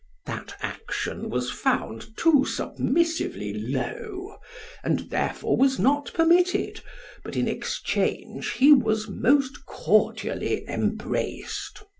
That action was found too submissively low, and therefore was not permitted, but in exchange he was most cordially embraced.